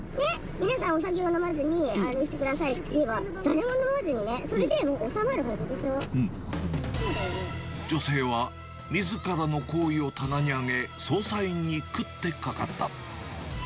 皆さん、お酒を飲まずに、あれしてくださいっていえば、誰も飲まずにね、それでもう、女性はみずからの行為を棚に上げ、捜査員に食ってかかった。